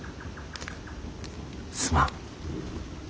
すまん。